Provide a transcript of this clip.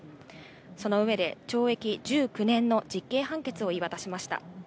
その上で、懲役１９年の実刑判決を言い渡しました。